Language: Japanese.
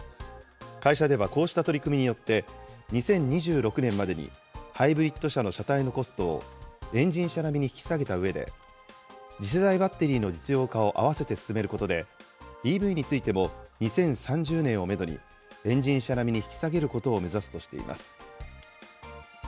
会社ではこうした取り組みによって、２０２６年までにハイブリッド車の車体のコストをエンジン車並みに引き下げたうえで、次世代バッテリーの実用化を併せて進めることで、ＥＶについても２０３０年をメドに、エンジン車並みに引き下げることを目指すとしています。